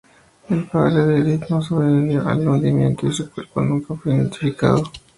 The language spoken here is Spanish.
El padre de Edith no sobrevivió al hundimiento y su cuerpo nunca fue identificado.